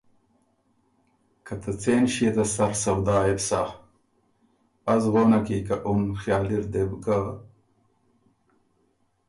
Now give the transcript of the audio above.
که ته څېن ݭيې ته سر سودا يې بو سَۀ؟ از غونه کی که اُن خیال اِر دې بو ګۀ